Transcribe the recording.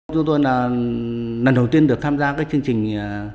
chúng tôi là lần đầu tiên được tham gia chương trình sáu mươi tám